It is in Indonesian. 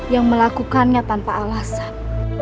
yang melakukannya tanpa alasan